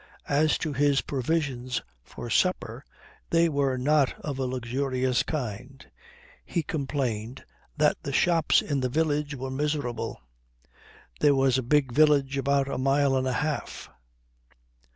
As to his provisions for supper, they were not of a luxurious kind. He complained that the shops in the village were miserable. There was a big village within a mile and a half.